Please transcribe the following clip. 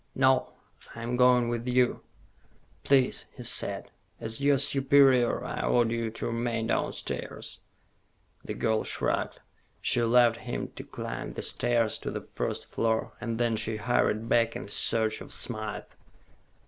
"No. I'm going with you." "Please," he said. "As your superior, I order you to remain downstairs." The girl shrugged. She allowed him to climb the stairs to the first floor, and then she hurried back in search of Smythe.